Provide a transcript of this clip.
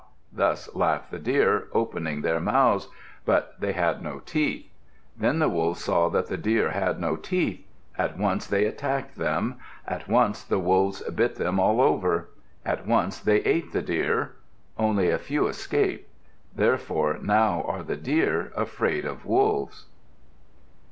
_" Thus laughed the Deer, opening their mouths. But they had no teeth. Then the Wolves saw that the Deer had no teeth. At once they attacked them. At once the Wolves bit them all over. At once they ate the Deer. Only a few escaped. Therefore now are the Deer afraid of Wolves.